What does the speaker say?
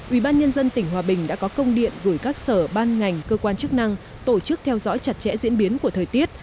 ubnd tỉnh hòa bình đã có công điện gửi các sở ban ngành cơ quan chức năng tổ chức theo dõi chặt chẽ diễn biến của thời tiết